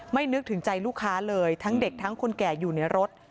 นึกถึงใจลูกค้าเลยทั้งเด็กทั้งคนแก่อยู่ในรถ